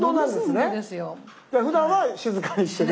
ふだんは静かにしてる？